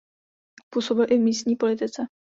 Působil i v místní politice.